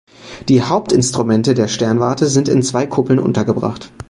Die Hauptinstrumente der Sternwarte sind in zwei Kuppeln untergebracht.